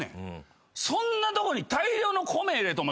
そんなとこに大量の米入れてお前